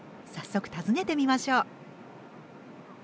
早速訪ねてみましょう。